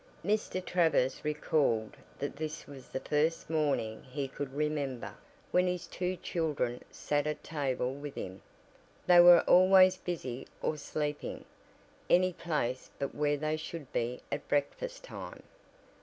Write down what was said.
Mr. Travers recalled that this was the first morning he could remember when his two children sat at table with him. They were always busy or sleeping any place but where they should be at breakfast time.